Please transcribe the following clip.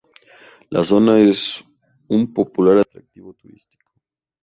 La zona es un popular atractivo turístico.